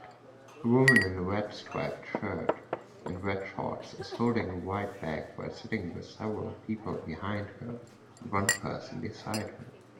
A woman in a red striped shirt and red shorts is holding a white bag while sitting with several people behind her and one person beside her